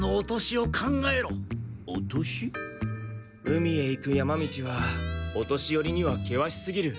海へ行く山道はお年寄りには険しすぎる。